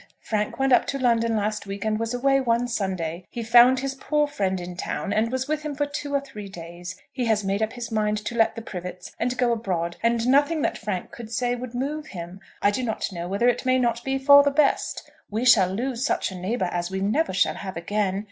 Frank went up to London last week and was away one Sunday. He found his poor friend in town and was with him for two or three days. He has made up his mind to let the Privets, and go abroad, and nothing that Frank could say would move him. I do not know whether it may not be for the best. We shall lose such a neighbour as we never shall have again.